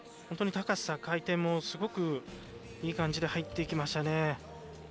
本当に高さ、回転すごくいい感じで入っていきましたね。